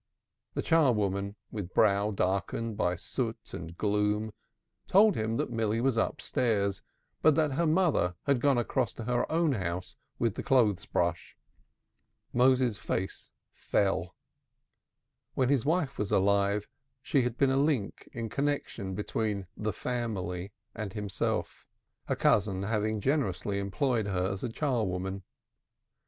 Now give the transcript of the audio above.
The char woman, with brow darkened by soot and gloom, told him that Milly was upstairs, but that her mother had gone across to her own house with the clothes brush. Moses's face fell. When his wife was alive, she had been a link of connection between "The Family" and himself, her cousin having generously employed her as a char woman.